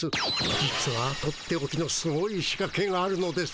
実はとっておきのすごい仕かけがあるのですよ。